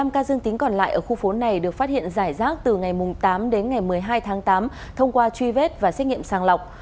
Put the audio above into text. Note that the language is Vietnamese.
một mươi ca dương tính còn lại ở khu phố này được phát hiện giải rác từ ngày tám đến ngày một mươi hai tháng tám thông qua truy vết và xét nghiệm sàng lọc